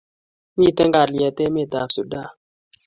Miten kalyet emet ab Sudan